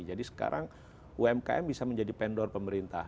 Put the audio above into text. jadi sekarang umkm bisa menjadi pendor pemerintah